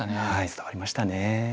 伝わりましたね。